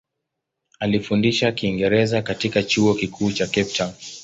Alifundisha Kiingereza katika Chuo Kikuu cha Cape Town.